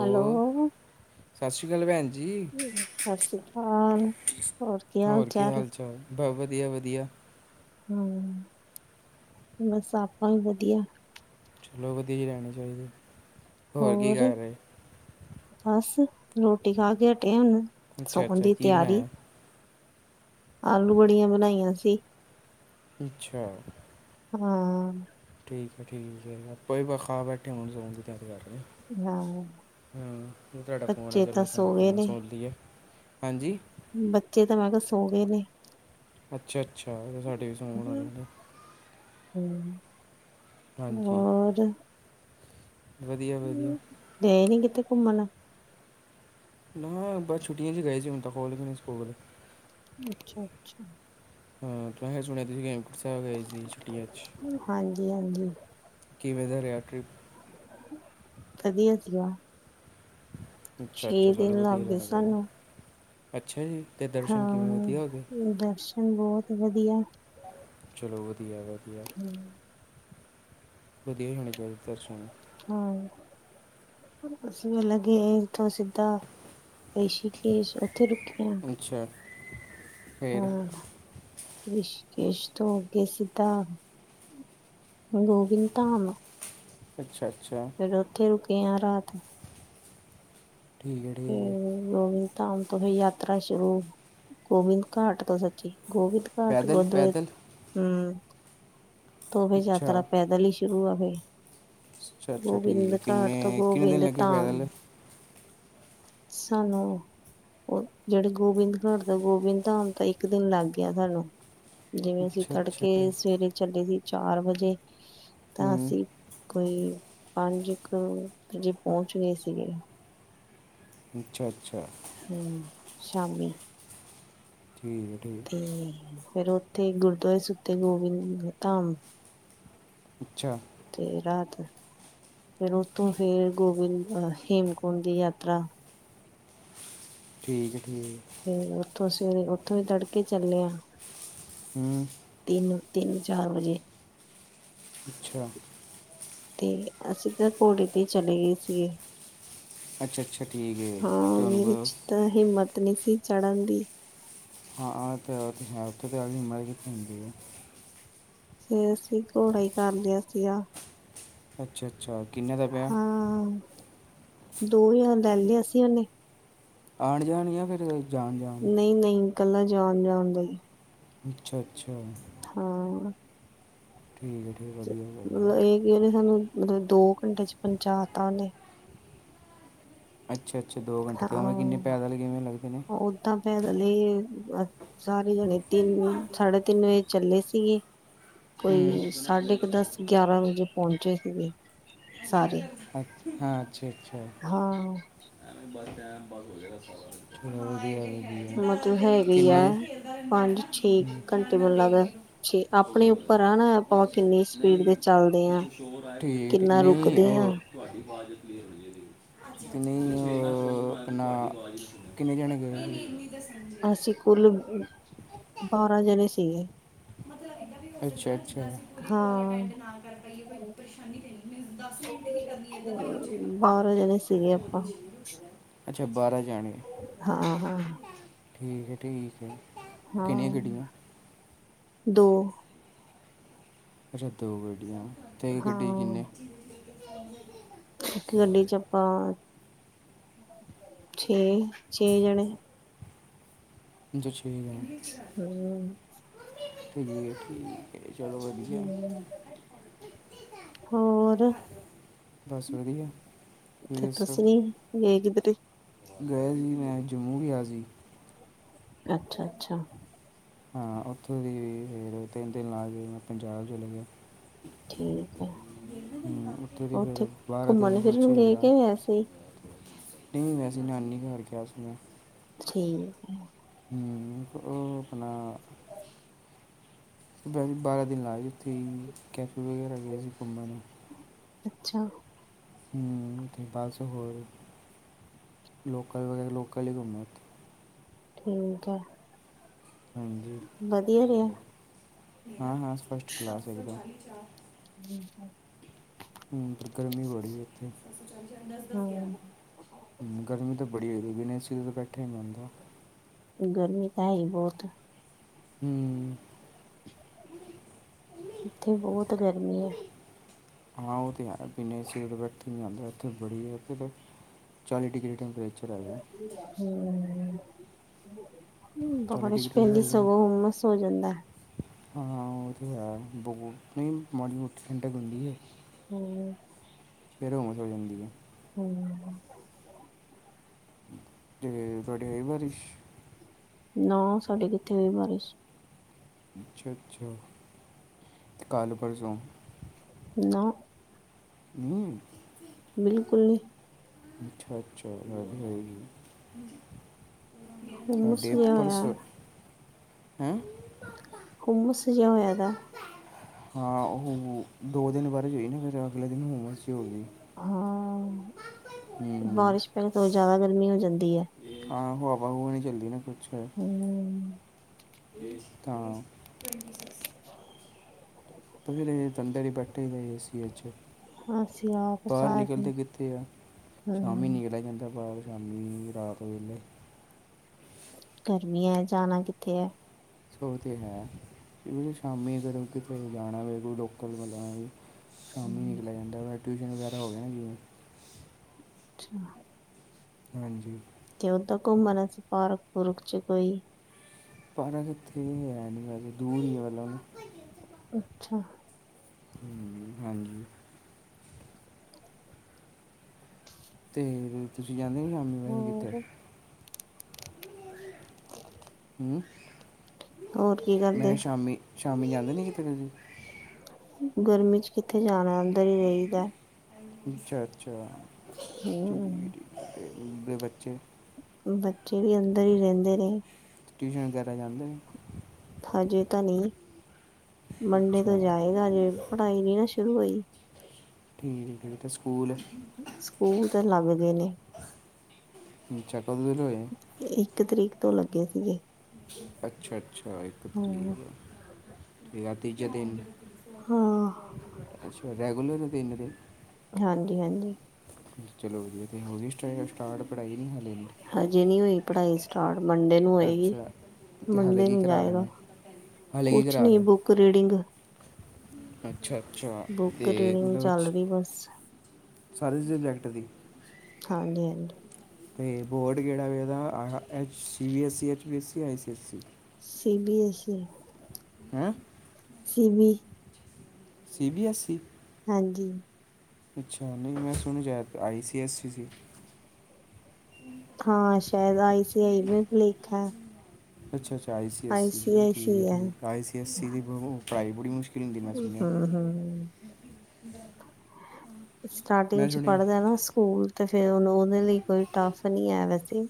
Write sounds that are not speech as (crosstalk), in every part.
Hello. ਸਤਿ ਸ਼੍ਰੀ ਅਕਾਲ ਭੈਣ ਜੀ। ਸਤਿ ਸ਼੍ਰੀ ਅਕਾਲ। ਹੋਰ ਕੀ ਹਾਲ ਚਾਲ ਬਸ ਵਧੀਆ, ਵਧੀਆ। ਹੂ ਬਸ ਆਪਾਂ ਵੀ ਵਧੀਆ। ਚਲੋ ਵਧੀਆ ਜੀ ਹੀ ਰਹਿਣੀ ਚਾਹੀਦੀ ਹੋਰ ਕੀ ਕਰ ਰਹੇ? ਬਸ ਰੋਟੀ ਖਾ ਕੇ ਹਟਿਆ ਹੁਣ ਅੱਛਾ ਸੌਣ ਅੱਛਾ ਦੀ ਕੀ ਤਿਆਰੀ। ਬਣਾਇਆ ਆਲੂ ਬੜੀਆਂ ਬਣਾਈਆਂ ਸੀ। ਪਿੱਛਾ। ਹਾਂ। ਠੀਕ ਹੈ ਠੀਕ ਹੈ ਜ ਆਪਾਂ ਹੀ ਖਾ ਬੈਠੇ ਹੁਣ ਸੋਨ ਦੀ ਤਿਆਰ ਕਰ ਰਿਹਾ। ਹਾਂ, ਤੁਹਾਡਾ ਫੋਨ ਆਇਆ ਬੱਚੇ ਸੀ ਤਾਂ ਤੁਹਾਡਾ ਸੋ ਗਏ ਫੋਨ ਨੇ, ਸੁਣ ਲਈਏ। ਹਾਂਜੀ। ਬੱਚੇ ਤਾਂ ਮੈਂ ਕਿਹਾ ਸੋ ਗਏ ਨੇ। ਅੱਛਾ, ਅੱਛਾ ਸਾਡੇ ਵੀ ਸੋਣ ਵਾਲੇ ਨੇ। ਹਮ ਹਾਂਜੀ ਹੋਰ। ਵਧੀਆ ਵਧੀਆ ਗਏ ਨੀ ਕਿਥੇ ਘੁੰਮਣ। ਨਾ ਬਸ ਛੁਟੀਆਂ ' ਚ ਗਏ ਸੀ ਹੀ ਹੁਣ ਤਾ ਖੁਲ ਗਏ ਸਕੂਲ। ਅੱਛਾ, ਅੱਛਾ। ਮੈ ਸੁਣਿਆ ਤੁਸੀ ਹੇਮਕੁੰਡ ਸਾਹਿਬ ਗਏ ਸੀ ਛੁੱਟੀਆਂ 'ਚ। ਹਾਂਜੀ ਹਾਂਜੀ। ਕਿਵੇਂ ਦਾ ਰਿਹਾ ਟ੍ਰਿਪ। ਵਧੀਆ ਸੀਗਾ। ਅੱਛਾ, ਛੇ ਅੱਛਾ ਚੱਲੋ ਦਿਨ ਵਧੀਆ ਲੱਗ ਗਏ ਰਹਿਣਾ ਚਾਹੀਦਾ ਸਾਨੂੰ ਅੱਛਾ ਜੀ। ਤੇ ਦਰਸ਼ਨ ਕਿਵੇਂ ਹਾਂ, ਵਧੀਆ ਹੋ ਗਏ ਦਰਸ਼ਨ ਬਹੁਤ ਵਧੀਆ। ਚਲੋ, ਵਧੀਆ- ਵਧੀਆ। ਹੂੰ। ਵਧੀਆ ਹੋਣੇ ਚਾਹੀਦੇ ਦਰਸ਼ਨ। ਹੂੰ, ਤੁਸੀ ਵੀ ਲਗੇ ਏਥੋਂ ਸਿੱਧਾ ਰਿਸ਼ੀ ਕੇਸ਼ ਉੱਥੇ ਰੁਕੇ ਆਂ। ਅੱਛਾ। ਫੇਰ ਹੁਣ ਰਿਸ਼ਕੇਸ਼ ਤੋਂ ਅਗੇ ਸਿੱਧਾ ਗੋਵਿੰਦ ਧਾਮ। ਅੱਛਾ, ਅੱਛਾ। ਫਿਰ ਉੱਥੇ ਰੁਕੇ ਆ ਰਾਤ ਨੂੰ। ਠੀਕ ਏ, ਠੀਕ ਏ। ਫਿਰ ਗੋਬਿੰਦ ਧਾਮ ਤੋਂ ਹੀ ਯਾਤਰਾ ਸ਼ੁਰੂ, ਗੋਬਿੰਦ ਘਾਟ ਤੋਂ ਸੱਚੀ। ਗੋਬਿੰਦ ਘਾਟ ਪੈਦਲ ਗੁਰਦਵ ਪੈਦਲ ਹੂੰ, ਤੋ ਵੀ ਅੱਛਾ ਯਾਤਰਾ ਪੈਦਲ ਹੀ ਚਲਣਾ ਹੋਏ, ਅੱਛਾ ਅੱਛਾ ਠੀਕ ਗੋਬਿੰਦ ਹੈ ਘਾਟ ਤੋਂ ਕਿੰਨੇ ਕਿੰਨੇ ਦਿਨ ਗੋਬਿੰਦ ਲੱਗੇ ਧਾਮ। ਪੈਦਲ ਸਾਨੂੰ ਔਹ, ਜਿਹੜੇ ਗੋਬਿੰਦ ਘਾਟ ਤੋਂ ਗੋਬਿੰਦ ਧਾਮ ਤਾਂ ਇੱਕ ਦਿਨ ਲੱਗ ਗਿਆ ਸਾਨੂੰ। ਜਿਵੇਂ ਅਸੀਂ ਅੱਛਾ ਅੱਛਾ ਤੜਕੇ, ਸਵੇਰੇ ਚੱਲੇ ਸੀ ਚਾਰ ਵਜੇ। ਤਾਂ ਹੂੰ ਅਸੀਂ ਕੋਈ ਪੰਜ ਕ ਵਜੇ ਪਹੁੰਚ ਗਏ ਸੀਗੇ। ਅੱਛਾ, ਅੱਛਾ। ਹੂੰ, ਸ਼ਾਮੀ। ਠੀਕ ਏ, ਠੀਕ ਏ। 'ਤੇ ਫਿਰ ਉੱਥੇ ਗੁਰਦੁਆਰੇ ਸੁੱਤੇ, ਗੋਬਿੰਦ ਧਾਮ। ਅੱਛਾ! ਤੇ ਰਾਤ, ਫਿਰ ਉੱਥੋਂ ਫਿਰ ਗੋਬਿੰਦ ਅ ਹੇਮਕੁੰਡ ਦੀ ਯਾਤਰਾ। ਠੀਕ, ਠੀਕ। ਫਿਰ, ਉੱਥੋਂ ਸਵੇਰੇ ਉੱਥੋਂ ਵੀ ਤੜਕੇ ਚੱਲੇ ਆ। ਹੂੰ। ਤਿੰਨ, ਤਿੰਨ- ਚਾਰ ਵਜੇ। ਅੱਛਾ। 'ਤੇ ਅਸੀਂ ਤਾਂ ਘੋੜੇ 'ਤੇ ਚਲੇ ਗਏ ਸੀਗੇ। ਅੱਛਾ, ਅੱਛਾ ਠੀਕ ਏ, ਹਾਂ ਮੇਰੀ ਤੁਹਾਨੂੰ ਚ ਤਾਂ ਹਿੰਮਤ ਨਈਂ ਸੀ, ਚੜ੍ਹਨ ਦੀ। ਹਾਂ, ਐ ਤਾਂ ਹੈ। ਉੱਥੇ ਤਾਂ ਐਨੀ ਹਿੰਮਤ ਕਿੱਥੇ ਹੁੰਦੀ ਏ। ਫਿਰ, ਅਸੀਂ ਘੋੜਾ ਹੀ ਕਰ ਲਿਆ ਸੀਗਾ। ਅੱਛਾ, ਅੱਛਾ, ਕਿੰਨੇ ਦਾ ਪੈ ਹਾਂ, ਦੋ ਹਜਾਰ ਲੈ ਲਿਆ ਸੀਂ ਉਹਨੇ। ਆਣ -ਜਾਣ ਜਾਂ ਫਿਰ? ਜਾਣ ਜਾਣ ਨਈਂ, ਨਈਂ, ਕੱਲਾ ਜਾਣ- ਜਾਣ ਦਾ ਈ। ਅੱਛਾ, ਅੱਛਾ। ਹਾਂ। ਠੀਕ ਐ, ਠੀਕ ਐ। ਵਧੀਆ- ਵਧੀਆ। ਉਨ੍ਹੇ ਸਾਨੂੰ, ਮਤਲਬ ਦੋ ਘੰਟੇ 'ਚ ਪਹੁੰਚਾ ਤਾ ਉਨ੍ਹੇ। ਅੱਛਾ, ਅੱਛਾ, ਦੋ ਘੰਟੇ ਤੇ ਉਵੇਂ ਕਿੰਨੇ ਪੈਦਲ ਕਿਵੇਂ ਲੱਗਦੇ ਨੇ? ਤਾਂ ਪੈਦਲ ਹੀ, ਸਾਰੇ ਜਣੇ ਤਿੰਨ -ਸਾਢੇ ਤਿੰਨ ਵਜੇ ਚੱਲੇ ਸੀਗੇ। ਹੂੰ ਕੋਈ ਦੇਣਾ ਸਾਢੇ ਪਲੇ ਕੁ ਦਸ- ਗਿਆਰਾਂ ਵਜੇ ਪਹੁੰਚੇ ਸੀਗੇ। ਸਾਰੇ ਸਟੋਰ ਹਾਂ, ਅੱਛਾ- ਅੱਛਾ। ਹਾਂ। ਐਵੇ ਬਸ ਟੈਮ ਪਾਸ ਹੋ ਜੇਗਾ ਸਾਰਾ। ਹਾਂ, ਵਧੀਆ- ਵਧੀਆ। ਜਿੱਦਾਂ ਮਤਲਬ ਗਲੀ ਹੈਗੀ ਆ ਕਿੰਨੇ ਚ ਖੇਲਦਾ ਰਹਿੰਦਾ ਹੈ ਪੰਜ ਨਾ, ਛੇ ਨਾਲ- ਘੰਟੇ ਨਾਲ ਮੈਨੂੰ ਲੱਗਦਾ ਦੇਖਦੇ ਰਹੋ। ਛੇ ਆਪਣੇ ਠੀਕ, ਉੱਪਰ ਆ ਨਾ ਆਪਾਂ ਕਿੰਨੀ ਸਪੀਡ ਦੇ ਚੱਲਦੇ ਆ ਠੀਕ ਕਿੰਨਾ ਨਹੀਂ ਰੁਕਦੇ ਆ ਉਹ ਤੁਹਾਡੀ ਆਵਾਜ਼ ਕਲੀਅਰ ਨਹੀਂ ਹੈਗੀ। ਨਹੀਂ ਓ ਆਪਣਾ, ਕਿੰਨੇ ਜਾਣੇ ਗਏ ਸੀ? ਅਸੀਂ ਕੁੱਲ ਬਾਰਾਂ ਜਣੇ ਸੀਗੇ। ਮਤਲਬ ਅੱਛਾ, ਅੱਛਾ। ਹਾਂ (unintelligible) ਦਸ ਮਿੰਟ ਹੀ ਕਰਨੀ ਏਦਾਂ ਤੇ ਨਹੀਂ ਪੁਛੇਗਾ, ਬਾਰਾਂ ਜਣੇ ਸੀਗੇ ਆਪਾਂ ਹਾਂਜੀ ਅੱਛਾ ਬਾਰਾਂ ਜਾਣੇ। ਹਾਂ, ਹਾਂ। ਠੀਕ ਏ, ਠੀਕ ਏ। ਹਾਂ, ਦੋ। ਅੱਛਾ ਦੋ ਗੱਡੀਆਂ ਆ। ਹਾਂ, ਇੱਕ ਗੱਡੀ ਸਾਰੇ ਚ ਆਪਾਂ ਛੇ, ਛੇ ਜਣੇ ਅਛਾ ਛੇ ਜਾਣੇ ਠੀਕ ਹਮ ਹੈ, ਠੀਕ ਹੈ। ਤੇ ਚਲੋ ਵਧੀਆ ਏ। ਹਮ ਹੋਰ, ਬਸ ਵਧੀਆ ਤੇ ਤੁਸੀਂ ਗਏ ਕਿਧਰੇ? ਗਏ ਸੀ, ਮੈਂ ਜੰਮੂ ਗਿਆ ਸੀ। ਅੱਛਾ, ਅੱਛਾ। ਹਾਂ ਉੱਥੋਂ ਦੀ ਵੀ ਫੇਰ ਤਿੰਨ ਦਿਨ ਲਾ ਕੇ ਮੈਂ ਪੰਜਾਬ ਚਲਾ ਗਿਆ। ਠੀਕ ਹੈ ਉੱਥੇ ਦੀ ਫੇਰ ਬਾਰਾ ਦਿਨ ਘੁੰਮਣ ਕੁਛ ਫਿਰਨ ਗਏ ਝੇਲਾ ਕੇ ਵੈਸੇ ਨਹੀਂ ਵੈਸੇ ਨਾਨੀ ਘਰ ਗਿਆ ਸੀ ਮੈ। ਠੀਕ। ਹਮ ਓ ਅਪਣਾ ਗਏ ਸੀ, ਬਾਰਾਂ ਦਿਨ ਲਾਏ ਉੱਥੇ ਕੈਥਲ ਵਗੈਰਾ ਗਏ ਸੀ ਘੁੰਮਣ। ਅੱਛਾ। ਹਮ ਤੇ ਬਸ ਹੋਰ ਲੋਕਲ ਵਗੈਰਾ ਲੋਕਲ ਹੀ ਘੁੰਮੇ ਓਥੇ। ਠੀਕ ਏ। ਹਾਂਜੀ ਰਿਹਾ ਹਾਂ- ਹਾਂ ਫਸ਼ਟ ਕਲਾਸ ਇੱਕਦਮ। (inaudible) ਹਮ ਪਰ ਗਰਮੀ ਬੜੀ ਹੈ ਉੱਥੇ। ਹਮ ਗਰਮੀ ਤਾਂ ਬੜੀ ਹੋ ਗਈ ਏ, ਬਿਨਾ ਏ ਸੀ ਬੈਠਾ ਹੀ ਨਹੀਂ ਜਾਂਦਾ। ਗਰਮੀ ਤਾਂ ਹੈ ਹੀ ਬਹੁਤ। ਹਮ। ਉੱਥੇ ਬਹੁਤ ਗਰਮੀ ਏ। ਹਾਂ ਉਹ ਤਾਂ ਹੈ ਬਿਨੇ ਏ ਸੀ ਤੋਂ ਬੈਠਾ ਨਹੀਂ ਜਾਂਦਾ, ਉੱਥੇ ਬੜੀ ਹੈ ਉੱਥੇ ਤੇ ਚਾਲੀ ਡਿਗਰੀ ਟੈਂਪਰੇਚਰ ਪਰ ਹੈਗਾ। ਚਾਲੀ ਬਾਰਸ਼ ਡਿਗਰੀ ਵੀ ਪੈਂਦੀ ਹਲੇ ਸਗੋਂ ਹੁਮਸ ਹੋ ਜਾਂਦਾ। ਹਾਂ ਉਹ ਤੇ ਹੈ, ਬਹੁ ਨਹੀਂ ਮਾੜੀ ਮੋਟੀ ਠੰਡਕ ਹੁੰਦੀ ਏ। ਹਮ। ਫੇਰ ਹੁੰਮਸ ਹੋ ਜਾਂਦੀ ਹੈ। ਹਮ। ਤੇ ਤੁਹਾਡੀ ਹੋਈ ਬਾਰਿਸ਼? ਨਾ ਸਾਡੇ ਕਿਥੇ ਹੋਈ ਬਾਰਿਸ਼। ਅੱਛਾ, ਅੱਛਾ ਤੇ ਕੱਲ੍ਹ ਪਰਸੋਂ। ਨਾ। ਹਮ। ਬਿਲਕੁਲ। ਅੱਛਾ ਅੱਛਾ, (unintelligible) ਹੁਮਸ ਡੇ ਜਿਹਾ ਪਰਸ। ਹੋਇਆ ਹੂੰਮਸ ਜਾ ਹੋਇਆ ਦਾ। ਹਾਂ ਓਹ ਦੋ ਦਿਨ ਬਾਰਿਸ਼ ਹੋਈ ਸੀ ਫਿਰ ਅਗਲੇ ਦਿਨ ਹੂੰਮਸ ਜੀ ਹੋ ਗੀ। ਹਾਂ, ਹੂੰ ਬਾਰਿਸ਼ ਪਈ ਤੋਂ ਜ਼ਿਆਦਾ ਗਰਮੀ ਹੋ ਜਾਂਦੀ ਐ। ਹਾਂ, ਹਵਾ ਹੁਵਾ ਨੀ ਚੱਲਦੀ ਨਾ ਕੁਛ। ਹਮ ਤਾਂ। ਫਿਰ (unintelligible) ਅੰਦਰ ਈ ਬੈਠੇ ਦਾ ਏਸੀ ਵਿੱਚ। ਅਸੀਂ ਆਪ ਬਾਹਰ ਸਾਰ ਨਿਕਲਦੇ ਕਿੱਥੇ ਆ ਸ਼ਾਮੀ ਹਮ ਨਿਕਲਿਆ ਜਾਂਦਾ ਬਾਹਰ। ਸ਼ਾਮੀ ਰਾਤ ਵੇਲੇ। ਗਰਮੀ ਐ ਜਾਣਾ ਕਿੱਥੇ ਐ। ਓ ਤੇ ਹੈ ਹੁਨ ਸ਼ਾਮੀ ਫਿਰ ਕਿਤੇ ਜਾਣਾ ਹੋਵੇ ਕੋਈ ਲੋਕਲ ਜਾਣਾ ਹੋਵੇ। ਸ਼ਾਮੀ ਹੀ ਅੱਛਾ ਨਿਕਲਿਆ ਜਾਂਦਾ ਵਾਂ ਟਿਊਸ਼ਨ ਵਗੈਰਾ ਹੋਵੇ ਨਾ ਜਿਵੇਂ। ਅੱਛਾ। ਹਾਂਜੀ। ਤੇ ਓਦਾਂ ਘੁੰਮਣ ਵਾਸਤੇ ਪਾਰਕ ਪੂਰਕ ਚ ਕੋਈ। ਪਾਰਕ ਇੱਥੇ ਹੈ ਨੀ ਗਾ ਦੂਰ ਈ ਐ ਮਤਲਬ। ਅੱਛਾ। ਹੂੰ, ਹਾਂਜੀ। ਤੇ ਤੁਸੀਂ ਜਾਂਦੇ ਨੀ ਸ਼ਾਮੀ ਵੈਸੇ ਕਿਤੇ। ਹੋਰ (inaudible) ਹੂੰ, ਹੋਰ ਕੀ ਮੈਂ ਕਰਦੇ ਕਿਆ ਸ਼ਾਮੀ, ਸ਼ਾਮੀ ਜਾਂਦਾ ਨੀ ਕਿਤੇ ਤੁਸੀਂ। ਗਰਮੀ ਚ ਕਿੱਥੇ ਜਾਣਾ ਅੰਦਰ ਈ ਰਹੀ ਦਾ। ਅੱਛਾ, ਅੱਛਾ। ਹੂੰ। ਓਦੇ ਬੱਚੇ ਬੱਚੇ ਵੀ ਅੰਦਰ ਈ ਰੈਂਦੇ ਨੇ। ਟਿਊਸ਼ਨ ਵਗੈਰਾ ਜਾਂਦੇ ਨੇ। ਹਜੇ ਤਾਂ ਨੀ ਮੰਡੇ ਤੋਂ ਅੱਛਾ ਜਾਏਗਾ ਹਜੇ ਠੀਕ ਪੜ੍ਹਾਈ ਨੀ ਨਾ ਸ਼ੁਰੂ ਹੋਈ। ਠੀਕ ਐ ਤੇ ਸਕੂਲ ਸਕੂਲ ਤੇ ਲੱਗਦੇ ਨੇ। ਅੱਛਾ, ਕਦੋ ਵੇਹਲੇ ਹੋਏ ਆ। ਇੱਕ ਤਰੀਕ ਤੋਂ ਲੱਗੇ ਸੀਗੇ। ਅੱਛਾ, ਅੱਛਾ ਇੱਕ ਹੋ ਤਰੀਕ ਮੇਰਾ ਤੀਜੇ ਦਿਨ ਹਾਂ ਅੱਛਾ ਰੈਗੂਲਰ ਤਿੰਨ ਦਿਨ, ਹਾਂਜੀ, ਹਾਂਜੀ। ਚਲੋ ਜੀ ਤੇ ਹੋ ਗੀ ਸਟ ਸਟਾਰਟ ਪੜ੍ਹਾਈ ਨੀ ਹਾਲੇ ਨੀ। ਹਜੇ ਨੀ ਹੋਈ ਪੜ੍ਹਾਈ। ਸਟਾਰਟ ਮੰਡੇ ਨੂੰ ਹੋਏਗੀ ਅੱਛਾ ਤੇ ਹਾਲੇ ਮੰਡੇ ਕੀ ਨੂੰ ਕਰਾ ਰਹੇ ਜਾਏਗਾ ਨੇ ਹਾਲੇ ਕੀ ਕੁਛ ਕਰਾ ਨੀ ਰਹੇ ਹੋ? ਬੁ ਕੁਰੀਡੀਗ ਅੱਛਾ ਅੱਛਾ, ਬੁੱਕ ਤੇ ਰੀਡਿੰਗ ਮਤਲਬ ਚੱਲ ਰਹੀ ਬਸ। ਸਾਰੇ ਸਬਜੈਕਟ ਦੀ। ਹਾਂਜੀ, ਹਾਂਜੀ। ਤੇ ਬੋਰਡ ਕਿਹੜਾ ਵੇ ਉਹਦਾ C B S E H we S C I C S E. C B S E. ਹੈਂ। CV. C B S E. ਹਾਂਜੀ। ਅੱਛਾ, ਨਈ ਮੈਂ ਸੁਣ ਜਾ, ਆਈ ਸੀ ਐੱਸ ਸੀ ਸੀ। ਹਾਂ, ਸ਼ਾਇਦ ਆਈ ਸੀ ਆਈ ਮੇ ਭੁਲੇਖਾ ਐ। ਅੱਛਾ-ਅੱਛਾ, ਆਈ ਸੀ ਐੱਸ ਈ ਜੀ ਆਈ ਸੀ ਠੀਕ ਐ ਹੈ ਠੀਕ ਐ ਆਈ ਸੀ ਐਸ ਈ ਦੀ ਪ ਪੜਾਈ ਬੜੀ ਮੁਸ਼ਕਿਲ (unintelligible) ਮੈਂ ਹਮ ਸੁਣਿਆ। ਹਮ ਸਟਾਟਿੰਗ ਮੈਂ ਚ ਸੁਣਿਆ ਪੜਦੈ ਨਾ ਸਕੂਲ ਤੇ ਫਿਰ ਓਨੂੰ ਓਦੇ ਲਈ ਕੋਈ ਟਫ ਨਈਂ ਐ ਵੈਸੇ।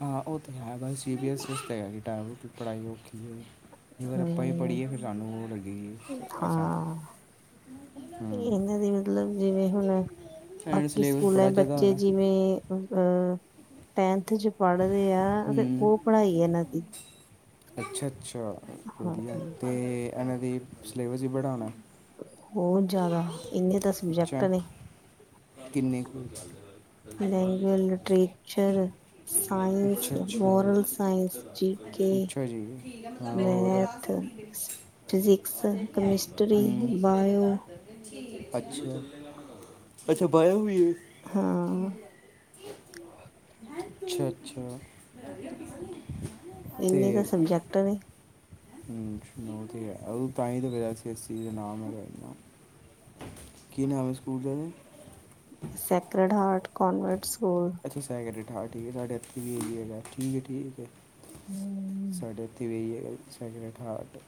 ਹਾਂ, ਓ ਤੇ ਹੈ ਬਸ ਸੀ ਬੀ ਐੱਸ ਇਸਤੇ ਹੈਗੀ (unintelligible) ਪੜਾਈ ਬੋਹ ਔਖੀ ਏ। ਫਿਰ ਆਪਾਂ ਵੀ ਹਮ ਪੜੀਏ ਫਿਰ ਸਾਨੂੰ ਓ ਲਗੇਗੀ (unintelligible) ਆਸਾਨ। ਹੂੰ ਇਨਾਂ ਦੇ ਮਤਲਬ ਜਿਵੇਂ ਹੁਣ, ਐਂਡ ਬਾਕੀ ਸਿਲੇਬਸ ਸਕੂਲਾਂ ਬੜਾ ਜ਼ਿਆਦਾ ਬੱਚੇ ਹੋਣਾ ਜਿਵੇਂ ਅ ਟੈਂਥ ਚ ਪੜਦੇ ਆ ਤੇ ਓ ਪੜਾਈ ਏ ਇਨਾਂ ਦੀ ਅੱਛਾ-ਅੱਛਾ, ਹਾਂ ਵਦੀਆ ਤੇ ਏਨਾਂ ਦੀ ਸਿਲੇਬਸ ਵੀ ਬੜਾ ਹੋਣਾ। ਬੋਤ ਜ਼ਿਆਦਾ ਇੰਨੇ ਤਾਂ ਸਬਜੈਕਟ ਅੱਛਾ ਨੇ। ਕਿੰਨੇ ਕੁੱਲ? ਲੈਂਗੂਏ ਲਿਟਰੇਚਰ ਸਾਇੰਸ, ਅੱਛਾ-ਅੱਛਾ, ਮੋਰਲ ਸਾਇੰਸ, ਜੀ ਕੇ, ਅੱਛਾ ਜੀ, ਹੋਰ? ਮੈਥ ਫਿਜ਼ਿਕਸ, ਕਮਿਸਟਰੀ, ਬਾਇਓ (unintelligible) ਅੱਛਿਆ ਅੱਛਾ, ਬਾਇਓ ਵੀ ਏ। ਹਾਂ ਅੱਛਾ-ਅੱਛਾ। ਇੰਨੇ ਤਾਂ ਸਬਜੈਕਟ ਨੇ। (unintelligible) ਓ ਤੇ ਹੈ ਓ ਤਾਂਹੀ ਤੇ ਫਿਰ ਐਸ ਈ ਐਸ ਈ ਦਾ ਨਾਮ ਹੈਗਾ ਏ ਨਾ। ਕੀ ਨਾਮ ਐ ਸਕੂਲ ਦਾ ਇਦੇ? Sacred Heart Convent School. ਅੱਛਾ ਸੈਕਰਡ ਹਾਰਟ ਠੀਕ ਐ ਸਾਡੇ ਇੱਥੇ ਵੀ ਓਈ ਹੈਗਾ ਆ ਠੀਕ ਐ ਠੀਕ ਐ, ਸਾਡੇ ਇੱਥੇ ਵੀ (unintelligible) ਸੈਕਰਡ ਹਾਰਟ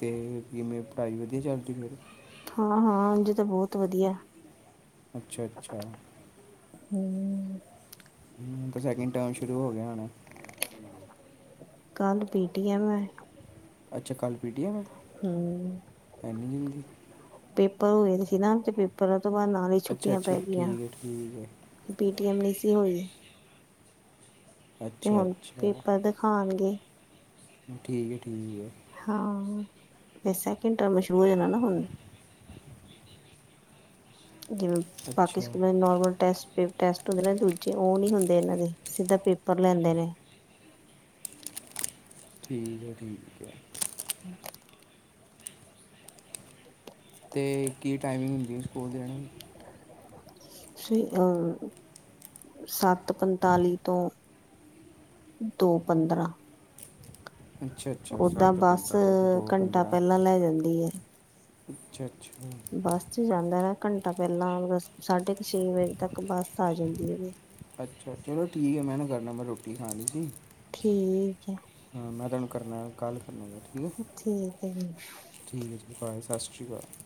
ਤੇ ਕਿਵੇਂ ਪੜਾਈ ਵਦੀਆ ਚੱਲ ਰਈ ਐ? ਹਾਂ-ਹਾਂ, ਉਂਝ ਤੇ ਬੋਤ ਵਦੀਐ ਅੱਛਾ-ਅੱਛਾ। ਹੂੰ ਹੂੰ ਹੁਣ ਤਾਂ ਸੈਕਿੰਡ ਟਰਮ ਸ਼ੁਰੂ ਹੋ ਗਿਆ ਹੋਣੈ। ਕੱਲ ਪੀਟੀਐਮ ਐ। ਅੱਛਾ ਕੱਲ ਪੀਟੀਅਮ ਏ? ਹਮ ਏਨੀ ਜਲਦੀ ਪੇਪਰ ਹੋਏ ਨੀ ਸੀ ਨਾ ਤੇ ਪੇਪਰਾਂ ਤੋਂ ਬਾਦ ਨਾਲ ਈ ਅੱਛਾ-ਅੱਛਾ, ਠੀਕ ਐ ਠੀਕ ਐ। ਪੀਟੀਐਮ ਨੀ ਸੀ ਹੋਈ। ਤੇ ਅੱਛਾ ਹੁਣ ਅੱਛਾ ਪੇਪਰ ਦਿਖਾਣਗੇ। ਠੀਕ ਐ ਠੀਕ ਐ। ਹਾਂ, ਫੇਰ ਸੈਕਿੰਡ ਟਰਮ ਸ਼ੁਰੂ ਹੋ ਜਾਣਾ ਨਾ ਹੁਣ। ਜਿਵੇਂ ਬਾਕੀ ਅੱਛਾ ਸਕੂਲਾਂ ਚ ਨੋਰਮਲ ਟੈਸਟ ਫੇਰ ਟੈਸਟ ਹੁੰਦੇ ਨੇ ਦੂਜੇ ਓਹ ਨੀ ਹੁੰਦੇ ਇਨਾਂ ਦੇ, ਸਿੱਧਾ ਪੇਪਰ ਲੈਂਦੇ ਨੇ। ਠੀਕ ਐ-ਠੀਕ ਐ। (inaudible) ਤੇ ਕੀ ਟਾਈਮਿੰਗ ਹੁੰਦੀ ਸਕੂਲ ਦੀ ਇਨਾਂ ਨੂੰ। ਸ ਅ, ਸੱਤ ਸੱਤ-ਪੰਤਾਲੀ ਤੋਂ ਦੋ-ਪੰਦਰਾਂ। ਅੱਛਾ-ਅੱਛਾ, ਬੱਸ ਸੱਤ-ਪੰਤਾਲੀ ਤੋ ਘੰਟਾ ਦੋ-ਪੰਦਰਾਂ। ਪਹਿਲਾਂ ਲੈ ਜਾਂਦੀ ਹੈ ਅੱਛਾ-ਅੱਛਾ। ਬੱਸ ਚ ਜਾਂਦਾ ਏ ਘੰਟਾ ਪਹਿਲਾਂ ਸਾਢੇ ਕ ਛੇ ਵਜੇ ਤੱਕ ਬੱਸ ਆ ਜਾਂਦੀ ਹੈਗੀ। ਅੱਛਾ ਚਲੋ ਠੀਕ ਐ, ਮੈਂ ਹੁਣੇ ਕਰਨਾ ਮੈਂ ਰੋਟੀ ਖਾਣੀ ਸੀ। ਠੀਕ ਐ। ਹਾਂ ਮੈਂ ਤੁਹਾਨੂੰ ਕਰਨਾ, ਕਾਲ ਕਰਨਾ ਜਰਾ। ਠੀਕ ਹੈ ਜੀ। ਠੀਕ ਹੈ ਜੀ ਭਾਏ ਸਤਿ ਸ਼੍ਰੀ ਅਕਾਲ।